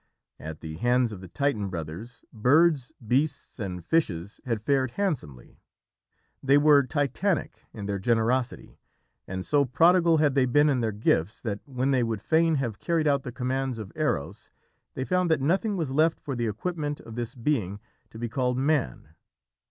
At the hands of the Titan brothers, birds, beasts, and fishes had fared handsomely. They were Titanic in their generosity, and so prodigal had they been in their gifts that when they would fain have carried out the commands of Eros they found that nothing was left for the equipment of this being, to be called Man.